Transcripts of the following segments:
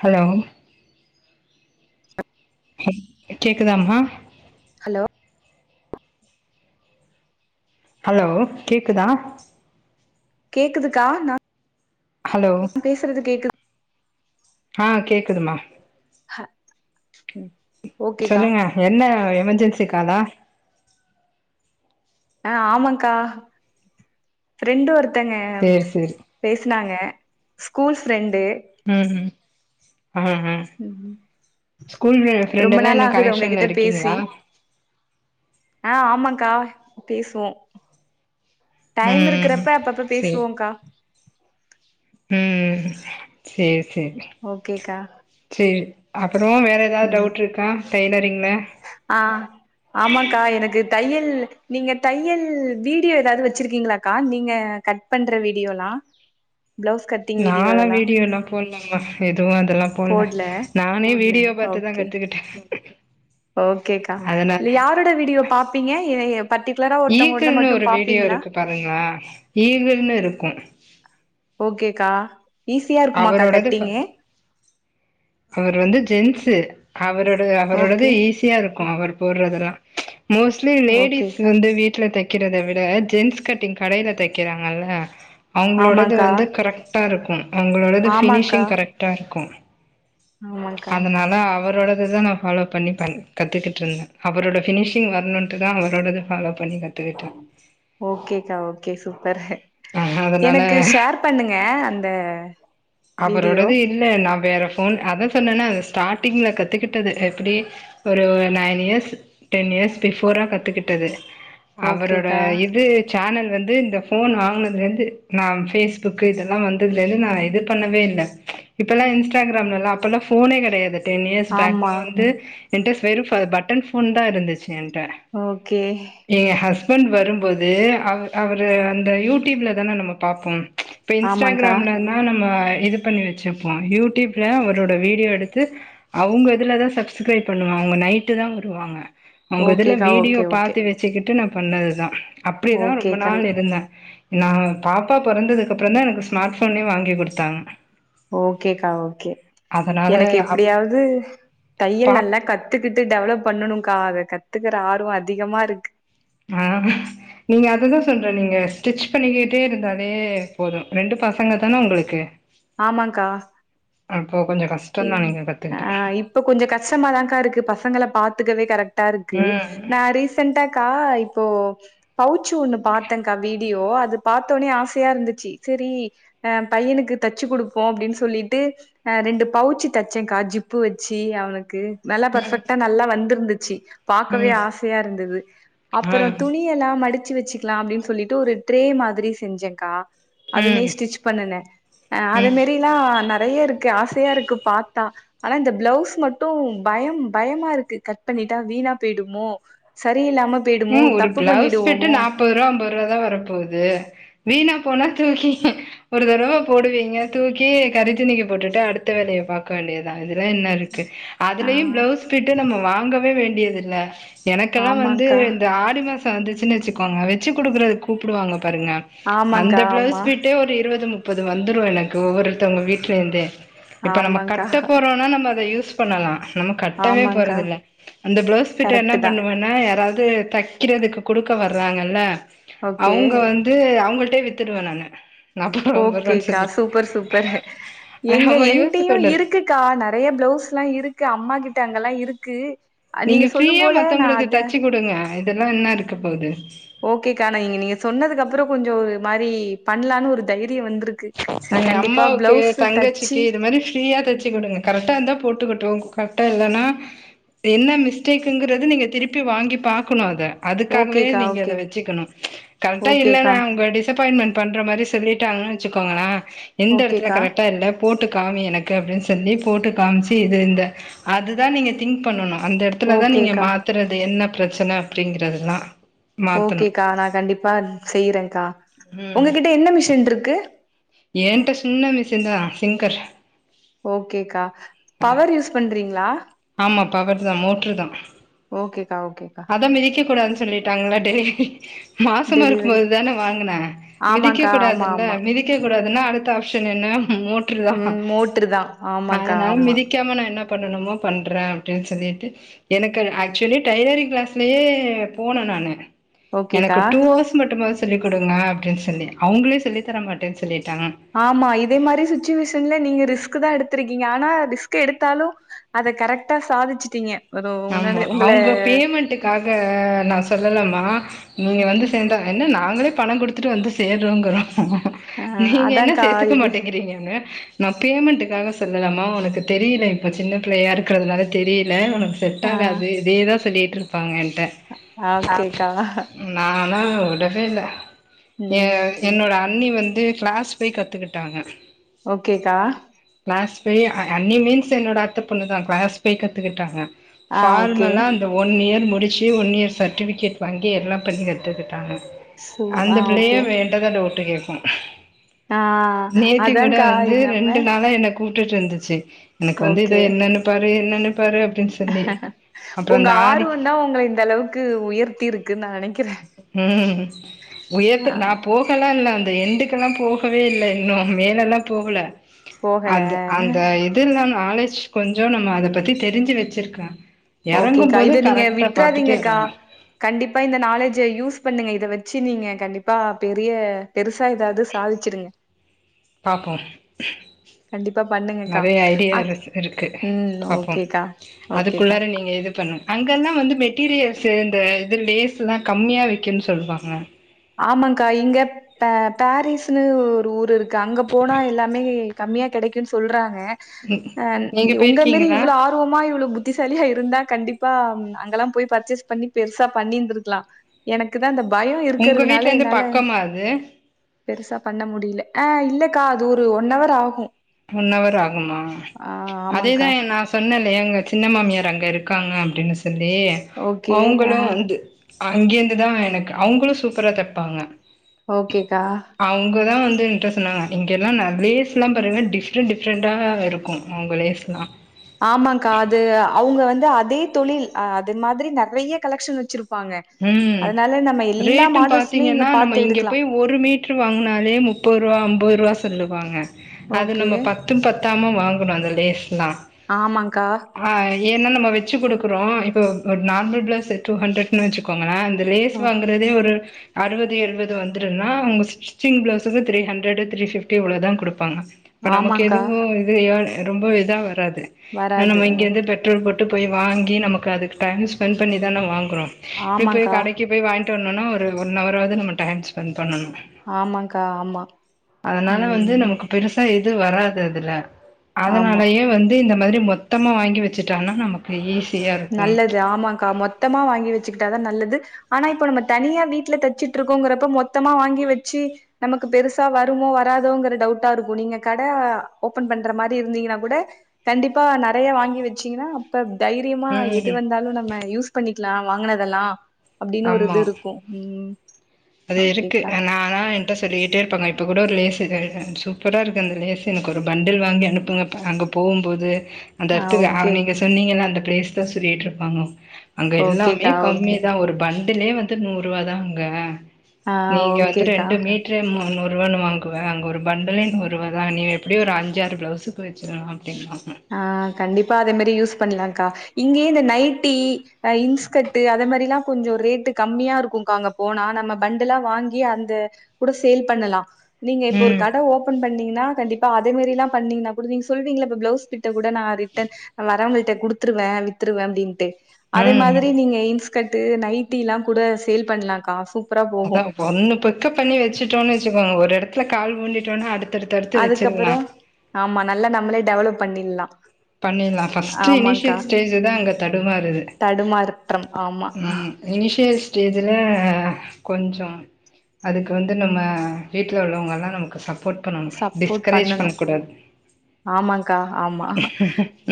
Hello அ கேக்குதாம்மா hello hello கேக்குதா கேக்குதுக்கா நா ஹலோ பேசுறது கேக்குது ஆ கேட்குதுமா ஹ ம் சொல்லுங்க என்ன எமெர்ஜென்சி காலா அ ஆமாக்கா ஃப்ரெண்டு ஒருத்தங்க சேரி சேரி பேசினாங்க ஸ்கூல்ஸ் ப்ரெண்டு ம்ஹூம் ஆஹா ம் ஸ்கூல் ப்ரெண்ட் ரொம்ப எல்லா நாள் இன்னு ஆகுது கனெக்ஷன்ல உங்ககிட்ட பேசி இருக்கீங்களா ஆ ஆமாக்கா பேசுவோ ம் டைம் ம் இருக்கிறப்ப அப்பப்ப சேரி பேசுவோங்க்கா ம் ம் சேர் சேர் ஓகேக்கா சேரி அப்பறோ வேற எதாவ் ம் டவுட்ருக்கா டெய்லரிங்ல ஆ ஆமாக்கா எனக்கு தையல் நீங்க தையல் வீடியோ எதாது வெச்சிருக்கீங்கிளாக்கா நீங்க கத் ட் பண்ற வீடியோலா பிளவுஸ் கட் நாளா வீடியோலாம் போல்லாமா எதுவு அதெலாம் போல்ல போட்ல நானே வீடியோ பாத்துதா ஓகே கத்துகிட்டே ஓகேக்கா இல்ல யாரோட வீடியோ பாப்பீங்க பர்டிகுலரா ஒருத்தவங்களோடத ஈகிள்னு மட்டு ஒரு வீடியோ பாப்பீங்களா இருக்கு பாருங்களா ஈகள்னு இருக்கு ஓகேகா அவரோடது அவர் வந்து ஜென்ஸு அவரோட அவரோடது ஓகே. ஈஸியா இருக்கு அவர் போடறதெல்லா மோஸ் அக்சுவலி லேடிஸ் ஓகேக்கா. வந்து வீட்டுல தெக்கிறத விட ஜென்ஸ் கட்டிங் கடையில தெக்கிறாங்கல்ல அவங்களோடது ஆமாங்க்கா. வந்து கரெக்டா இருக்கு அவங்களோடது ஆமாங்க்கா. ஃபினிஷிங் கரெக்டா இருக்கு ஆமாங்க்கா. அந்தனால அவரோடதுதா நாப் ஃபாலோ பண்ணி பண் கத்துகிட்ருந்தே அவரோட ஃபினிஷிங் வரணுன்ட்டுதா அவரோடது ஃபாலோப் பண்ணி கத்துகிட்டே ஓகேக்கா ஓகே சூப்பரு எனக்கு அதனால ஷேர்ப் பண்ணுங்க அந்த வீடியோ. அவரோடது இல்ல நா வேற போன் அத சொன்னேல்லே அது ஸ்டார்டிங்ல கத்துக்கிட்டது எப்டி ஒரு நைன் இயர்ஸ் டென் இயர்ஸ் பிஃபோரா கத்துக்கிட்டது அவரோட ஓகேக்கா. இது சேனல் வந்து இந்த போன் வாங்கினதுல இருந்து நா பேஸ்புக் இதெல்லா வந்ததுல இருந்து நா எதிர் பண்ணவே இல்ல இப்பலா இன்ஸ்டாகிராம்லலா அப்பல்லா ஃபோனே கெடையாது டென் இயர்ஸ் பேக்லா ஆமா. வந்து என்கிட்டஸ் வெறு பட்டன் ஃபோன் தா இருந்துச்சு என்ட்ட ஓகே எ ஹஸ்பண்ட் வரும்போது அவர் அவரு அந்த யூடியூப்ல தானே நம்ம பாப்போம் இப்ப ஆமாங்க்கா. இன்ஸ்டாகிராம்லனா நம் ம இதுப் பண்ணி வெச்சுப்போ யூடியூப்ல ஒரோட வீடியோ எடுத்து அவங்க இதுலதா சப்ஸ்கிரைப் பண்ணுவாங்க அவங்க நைட்டு தா வருவாங்க அவங்க இதுல ஓகேக்கா. Video okay, okay. பாத்து வச்சுக்கிட்டு நா பண்ணதுதா அப்டிதா ரொம்ப ஓகேக்கா. நாள் இருந்தே நா பாப்பா பொறந்ததுக்கப்புறம் தா எனக்கு ஸ்மார்ட்ஃபோனை வாங்கி கொடு ஓகேக்கா ஓகே அதனால எனக்கு அப் எப்டியாவுது தையல் பாப் நல்லா கத் த்துக்கிட்டு டெவலப் பண்ணனும்கா அதை கத்துக்கற ஆர்வோ அதிகமா இருக் ஆ நீங்க அதத்தான் சொல்ற நீங்க ஸ்டிச் பண்ணிக்கிட்டே இருந்தாலே போதும் ரெண்டு பசங்க தான உங்களுக்கு ஆமாக்கா அப்போ கொஞ்சோ கஷ் எங்க ஆ இப்ப கொஞ்ச கஷ்டமாதா கா இருக்கு பசங்கள பாத்துக்கவே கரெக்ட்டா இருக்கு ம் நா ரீசெண்டாக்கா இப்போ பவுச்சு ஒண்ணு பாத்தே கா வீடியோ அது பாத்தோனே ஆசையா இருந்துச்சு சேரி அ பையனுக்கு தச்சு குடுப்போ அப்படின்னு சொல்லிட்டு அ ரெண்டு பவுச்சி தச்சேன்கா ஜிப்பு வச்சு அவனுக்கு நல்லா பர்ஃபெக்ட்டா நல்லா வந்திருந்துச்சு பாக்கவே ம் ஆசையா இருந்துது ஆ அப்பற துணி ணி எல்லா மடிச்சு வச்சுக்கலா அப்டின்னு சொல்லிட்டு ஒரு ட்ரே மாதிரி செஞ்சே கா அதுவே ம் ஸ்டிச் பண்ணுனே அத ம் மாரிலாம் நெறைய இருக்கு, ஆசையா இருக் இக்கு பாத்தா ஆனா இந்த பளவுஸ் மட்டும் பயம் பயமா இருக்கு கட் பண்ணிட்டா வீணா போயிடுமோ சரி இல்லாம பேய்டுமோ தப்பு பண்ணிடுவோமோ முப்பது ரூபா ஐம்பது ரூபா தா வரப்போது வீணா போனா தூக்கி ஒரு தடவ போடுவீங்க தூக்கி கறித்துணிக்கு போட்டுட்டு அடுத்த வேலய பாக்க வேண்டியதா இதுல என்ன இருக் க்கு ஆ அதுலயு பிளவுஸ் பிட்டு நம்ம வாங்கவே வேண்டியதில்ல எனக்கெல்லா வந்து ஆமாங்க்கா இந்த ஆடி மாசம் வந்துச்சுனு வச்சுக்கோங்க வச்சு குடுக்குறதுக்கு கூப்பிடுவாங்க பாருங்க அந்த ஆமாங்க்கா ஆமா பிளவுஸ் பிட்டே ஒரு இருவது முப் முப்பது வந்துரும் எனக்கு ஒவ்வொருத்தவங்க வீட்டுல இருந்தே இப்ப நம்ம ஆமாங்க்கா கட்ட போறோம்னா நம்ம அத யூஸ் பண்ணலா நம்ம கட்டவே ஆமாங்க்கா போறது இல்ல அந்த பிளவுஸ் பிட்டு என்ன கரெக்ட் தா பண்ணுவேனா யாராவது தைக்கிறதுக்கு கொடுக்க வர்றாங்கல்ல ஓகே அவங்க வந்து அவங்கள்டே வித்துடுவ நானு நாப்பது ரூவா ஐம்பது ரூவான்னு ஓகேக்கா சொல்லி சூப்பர் சூப்பர் எங்க அவ யோசிச்சு என்டயு பாரு இருக்கு க்கா நெறைய பிளவுஸ்லா இருக்கு அம்மா கிட்ட அங்கல்லா இருக்கு அ நீங்க சொல்லும் ஃப்ரீயா போல நா மத்தவங்களுக்கு அத தச்சு கொடுங்க இதெல்லா என்ன இருக்க போது ஓகேக்கா நா நீங்க சொன்னதுக்கு அப்றோ கொஞ்சோ ஒரு மாரி பண்ணலான்னு ஒரு தைரியம் வந்திருக்கு நா நீங்க கண்டிப்பா அம்மாவுக்கு பிளவுஸு தச்சு தங்கச்சிக்கு இது மாரி ஃப்ரீயா தச்சு குடுங்க கரெக்டா இருந்தா போட்டுக்கட்டு கரெக்டா இல்லன்னா என்ன மிஸ்டேக்குங்கிறது நீங்க திருப்பி வாங்கி பாக்கணும் அத அதுக்காகவே ஓகேக்கா நீங்க ஓகே அத வச்சுக்கணும் கரெக்டா ஓகேக்கா இல்லன்னா உங்கள டிஸ் டிஸ்அப்பாயின்ட்மெண்ட் பண்ற மாதிரி சொல்லிட்டாங்கன்னு வச்சுக்கோங்கள எந்த எடத்துல ஓகேக்கா கரெக்டா இல்ல போட்டு காமி எனக்கு அப்டின்னு சொல்லி போட்டு காமிச்சு இது இந்த அது தா நீங்க திங்க் பண்ணணு அந்த எடத் இதுலதா நீங்க ஓகேக்கா மாத்துறது என்ன பிரச்சன அப்படிங்கிறதுனா ஓகேக்கா நா கண்டிப்பா செய்றேன்கா உங்ககிட்ட என்ன மிஷின் இருக்கு ஏன்ட சின்ன மிஷின் தா அ [unintelligible] ஓகேக்கா. பவர் யூஸ் பண்றீங்களா ஆமா பவர் தா மோட்ரு தா ஓகே கா ஓகே கா அதா மிதிக்கக் கூடாதுன்னு சொல்லிட்டாங்களா டெலி மாசமா இருக்கும் டெலிவரி போது தான வாங்குன மிதிக்க ஆமாக்கா ஆமா கூடாதுல்ல ஆமா மிதி மிதிக்கக் கூடாதுன்னா அடுத்த ஆப்ஷன் என்ன மோட் கரெக்ட்டு ம் மோட்ரு தா தா ஆமாக்கா அதனால ஆமா மிதிக்காம நா என்ன பண்ணணுமோ பண்றே அபடின்னு சொல்லிட்டு எனக்கு ஆக்சுவலி டைலரிங் கிளாஸு போன நானு எனக்கு ஓகேக்கா டூ ஹவர்ஸ் மட்டும் சொல்லிக் கொடுங்க அப்டின்னு சொல்லி அவங்களே சொல்லித்தர மாட்டேன்னு சொல்லிட்டாங்க ஆமா இதை மாதிரி சிட்டுவேஷன்ல நீங்க ரிஸ்க் தான் எடுத்திருக்கீங்க ஆனா ரிஸ்க் எடுத்தாலும் அத கரெக்டா சாதிச்சுட்டீங்க் ஆம்மா அவுங்க பேமண்ட்டுக்காக நா சொல்லலம்மா நீங்க வந்து ஓகே சேந்தா என்ன நாங்ளே பணங் குடுத்துட்டு வந்து சேர்றோங்றோ ஆ நீங்க என்ன அதான்க்கா சேத்துக்க இது மாட்டேங்கறீங்கங்க நா பேமண்ட்டுக்காக சொல்லலமா ஒனக்கு தெரில இப்போ சின்ன பிள்ளையா இருக்கறதுனால தெரில ஒன ஆ செட்டாகாது இதேதா சொல்லிட்டிருப்பாங்க என்ட்ட ஆ ஓக்கேக்கா நானு விடவே இல்ல எ ம் என்னோட அண்ணி க்ளாஸ் போய் கத்துகிட்டாங்க ஓகேக்கா கிளாஸ் போய் அ அண்ணீ மீன்ஸ் என்னோட அத்த பொண்ணுதா கிளாஸ் போய் கத்துகிட்டாங்க ஆ ஓகே ஃபார்மலா இந்த ஒன் இயர் முடிச்சு ஒன் இயர் சர்டிஃபிகேட் வாங்கி எல்லா பண்ணி கத்துகிட்டாங்க சோ அந்த ஆ பிள்ளயே ஓகே வேண்டாத டவுட் கேக்கு ஆ நேத்திகூட அதான்க்கா வந்து நம்ம ரெண்டு நாளா என கூப்டுட்டு இருந்துச்சு எனக்கு வந்து இத ஓகே என்னனுப்பாரு என்னனுப்பாரு அப்டின் சொல்லி அப்றோ உங்க அந்த ஆதிக்கு ஆர்வொந்தா ஒங்கள இந்தளவுக்கு உயர்த்திருக்குன்னு நா நெனைக்கிற ம் உயர்த்துக்கு நா போகல்லா இல்ல அந்த எண்டுக்கெல்லா போகவே இல்ல இன்னு மேல் எல்லா போகல போகல அந்த அந்த இதெல்லா நாலேஜ் கொஞ்சோ நம்ம அத பத்தி தெரிஞ்சு வெச்சிருக்காங்க ஓகேக்கா இத நீங்க விட்றாதீங்கக்கா எறங்கலா கண்டிப்பா இந்த நாலேஜ யூஸ் பண்ணுங்க இத வெச்சு நீங்க கண்டிப்பா பெரிய பெருசா எதாது சாதிச்சிருங்க பாப்போ கண்டிப்பா பண்ணுங்கக்கா நெறைய ஐடியா அக் இருக் இருக்கு ம் பாப்போ ஓக்கேக்கா அதுக்குள்ளார நீங்க இது பண்ணு அங்கல்லா வந்து மெட்டீரியல்ஸு இந்த இது லேஸ்ல்லா கம்மியா விக்குன் சொல்வாங்க ஆமாங்க்கா எங்கப் டா.. டாரிஸ்ன்னு ஒரு ஊருருக்கு அங்க போனா எல்லாமே கம்மியா கெடைக்குன் சொல்றாங்க ஆ நீங்க உங்க மாரி போயிருக்கீங்களா இவ்ளோ ஆ ஆர்வமா இவ்வளவு புத்திசாலியா இருந்தா கண்டிப்பா அம் அங்கலா போய் பர்ச்சேஸ் பண்ணி பெருசா பண்ணிந்துருக்கலா எனக்குதா அந்த பயோ உங்க வீட்லிந்து என்னால பக்கமா அது பெருசா பண்ண முடில ஆ இல்லக்கா அது ஒரு ஒன் அவர் ஆகு ஒன்னவர் ஆகுமா ஆமாக்கா அதேதான் நா சொ சொன்னேல்லையா எங்க சின்ன மாமியார் அங்கிருக்காங்க அப்டின்னு சொல்லி ஓகே ஆ அவுங்களு வந்து அங்கேந்துதான் எனக்கு அவுங்களூ சூப்பரா தெப்பாங்க ஓகேக்கா அவுங்கதான் வந்து என்ட்ட சொன்னாங்க இங்கெல்லா நெறையா [unintelligible] டிஃப்ரெண்ட் டிஃப்ரெண்ட்டாருக்கு அவுங்க லேஸ் எல்லா ஆமான்க்கா அது அவுங்க வந்து அதே தொழில் அது மாதிரி நெறையா கலெக்ஷன் வெச்சிரு ப்பாங்க ம் அதனால் நம்ம எல்லா ரேட்டு மாடல்ஸுமே இங்க பாத்தீங்கன்னா நம்ம பாத்து இங்க எடுக்லா போய் ஒரு மீட்ரு வாங்னாலே முப்பரூவா அம்பரூவா சொல்லுவாங்க அது ஓகே நம்ம ப த்தும் பத்தாம வாங்கணு அந்த லேஸ்ல்லா ஆமாங்க்கா ஆ‌ ஏனா நம்ம வெச்சு குடுக்கறோ இப்போ நார்மல் ப்ளௌஸ் டூ ஹண்ட்ரட் னு வெச்சுக்கோங்ளே இந்த லேஸ் ஆ வாங்கறதே ஒரு அறுவது எழுவது வந்திருன்னா அவுங்க ஸ்டிச்சிங் ப்ளௌஸுக்கு த்ரீ ஹண்டரட் த்ரீ ஃபிப்டி இவ்ளோதான் குடுப்பாங்க இப்ப ஆமாக்கா நமக்கெதுவு இது ஏ ரொம்ப இதா வராது ஏனா வராது நம்ம இங்கிருந்து பெ ட்ரோல் போட்டு போய் வாங்கி நமக்கு அதுக்கு டைம் ஸ்பெண்ட் பண்ணிதான வாங்கனு இப்டி போய் ஆமாக்கா கடைக்கு போய் வா என்னன்னா ஒரு ஒன் அவராவது நம்ம டைம் ஸ்பெண்ட் பண்ணனு ஆமாங்க்கா ஆமா அதனால வந்து ம் நமக்கு பெருசா எது வராது அதுல ஆமா அதனாலயே வந் வே இந்த மாதிரி மொத்தமா வாங்கி வெச்சுட்டானா நமக் செய்யவே செய்யாது நல்லது ஆமாங்க்கா மொத்தமா வாங்கி வச்சிக்கிட்டாதா நல்லது ஆனா இப்ப நம்ம தனியா வீட்ல தச்சிட்டு இருக்கோங்கிறப்ப மொத்தமா வாங்கி வச்சி நமக்கு பெருசா வருமோ வராதோங்குற டவுட்டா இருக்கு நீங்க கட ஓபன் பண்ற மாரி இருந்தீங்கன்னா கூட கண்டிப்பா நெறைய வாங்கி வச்சீங்கனா அப்ப தைர் தீமா எது ம் வந்தாலு நம்ம யூஸ் பண்ணிக்லா வாங்கனதெல்லா அப்டினு ஒரு ஆமா இது இருக்கு ம் அது இருக்கு ஓகேக்கா நானா இன் என்ட்ட சொல்லிக்கிட்டே இருப்பாங்க இப்ப கூட ஒரு லேஸ் சூப்பரா இருக்கு அந்த லேஸ் எனக்கு ஒரு பண்டில் வாங்கி அனுப்புங்கப்பா அங்க போம்போது அந்த ஆ எடத்துக்கு அவ ஓகே நீங்க சொன்னீங்கல்லா அந்த பிளேஸ்தா சொல்லிட்டு இருப்பாங்க அங்க எல்லாமே ஓகேக்கா ஓகே கம்மிதா ஒரு பண்டுலே வந்து நூறுவாதா அங்க ஆ நீங்க ஓகேக்கா ரெண்டு மீட் ட்ரே முன்னுரூவான்னு வாங்குவ அங்க ஒரு பண்டலே நூரூவாதா நீ எப்டியு ஒரு அஞ்சாறு பிளவுஸுக்கு பிரச்சன அப்டின்னாங்க ஆ கண்டிப்பா அதே மேரி யூஸ் பண்ணலாங்க்கா இங்கியே இந்த நைட்டி அ இன்ஸ்கட்டு் அத மேரிலா கொஞ்சோ ரேட்டு கம்மியா இருக்குங்க்கா அங்கப் போனா நம்ம பண்டுலா வாங்கி அந்த கூட சேல் பண்ணலா நீங்க இப்போ ஒரு ம் கட ஓபன் பண்ணீங்னா கண்டிப்பா அதே மேரிலாம் பண்ணீங்னா கூட நீ சொல்விங்கல இப்ப ப்ளவுஸ் பிட்ட கூட நா ரிட்டர்ன் வறவுங்கிள்ட்ட குடுத்துருவே வித்துருவே அப்டின்ட்டு அதே ம் மாதிரி நீங்க இன்ஸ்கட்டு நைட்டில்லா கூட சேல் பண்ணலாக்கா சூப் அதா ஒன்னு பிக்கப் பண்ணி வச்சுட்டோன்னு வச்சுகோங்க ஒரு எடத்ல கால் ஊனிட்டோனா அடுத் அதுக்கப்பறோ ஆமா நல்லா நம்மளே டெவலப் பண்ணில்லா பண்ணில்லா ஃபஸ்ட்டு இனிஷியல் ஸ்டேஜூதா அங்கத் தடுமாருது தடுமாற்றம் ஆமா ம் இனிஷியல் ஸ்டேஜ்ல கொஞ்சோ அதுக்கு வந்து நம்ம வீட்ல உள்ளவங்கல்லா நமக்கு சப்போர்ட் பண்ணணு சப்போர்ட் டிஸ்கரேஜ் பண்ணனு. பண்ணக் கூடாது ஆமாங்க்கா ஆமா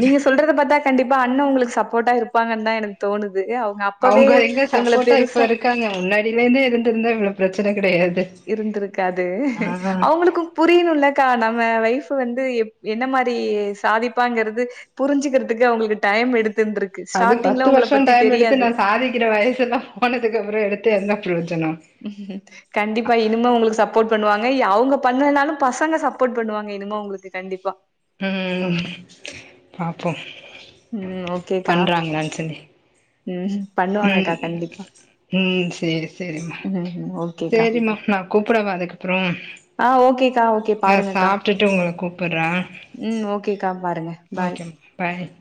நீங்க சொல்றத பாத்தா கண்டிப்பா அண்ண உங்ளுக்கு சப்போட்டா இருப்பாங்கன்தா எனக் தோணுது அவுங்க அப் அவுங்க எங்க சப்போர்ட்டா இப்ப இருக்காங்க முன்னாடில இந்தே இருந்திருந்தா இவ்ளோப் பிரச்சன கிடையாது இருந்துருக்காது ஆஹ் அவுங்குளுக்கு புரியனுல்லக்கா நம்ம வைஃப் வந்து எப் என்ன மாரி சாதிப்பாங்கிறது புரிஞ்சிகிறதுக்கு அவுங்குளுக்கு டைம் எடுத் அது பத்து வருஷ டைம் எடுத்து நா சாதிக்கிற வயசு எல்லா போனதுக்கப்றோ எடுத்து என்ன பிரோஜனோ கண்டிப்பா இனுமே ஒங்ளுக்கு சப் போர்ட் பண்ணுவாங்க இ அவுங்கப் பண்ணலனாலும் பசங்க சப்போர்ட் பண்ணுவாங்க இனுமோ உங்ளுக்கு கண்டிப்பா ம் பாப்போ ம் ஓகேகா ம் பண்ணுவாங்கக்கா ம் கண்டிப்பா ம் சேரி சேரிமா ம் ஓகேக்கா சேரிமா நா கூப்டவா அதுக்கப்பறோ ஆ ஓகேக்கா ஓகே நா பாருங்கக்கா சாப்ட்டுட்டு உங்கள கூப்ட்றே ம் ஓகேக்கா பாருங்க பாய் பாய்